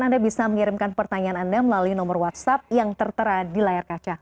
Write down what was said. anda bisa mengirimkan pertanyaan anda melalui nomor whatsapp yang tertera di layar kaca